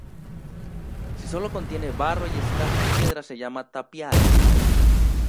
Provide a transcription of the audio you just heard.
Si solo contiene barro y escasas piedras se llama "tapial".